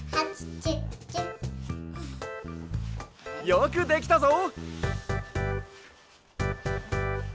よくできたぞ。